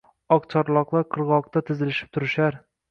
Oqcharloqlar qirg‘oqda tizilishib turishar